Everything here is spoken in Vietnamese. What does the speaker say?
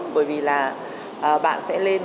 bởi vì là bạn sẽ lên một trại nghiệm